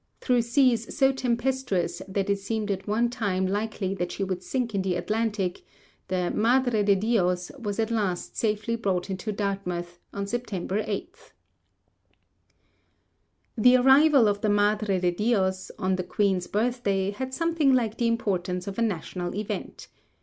Through seas so tempestuous that it seemed at one time likely that she would sink in the Atlantic, the 'Madre de Dios' was at last safely brought into Dartmouth, on September 8. The arrival of the 'Madre de Dios' on the Queen's birthday had something like the importance of a national event.